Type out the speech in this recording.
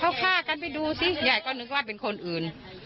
เขาฆ่ากันไปดูซิยายก็นึกว่าเป็นคนอื่น